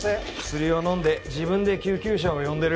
薬を飲んで自分で救急車を呼んでる。